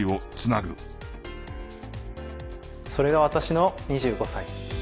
それが私の２５歳。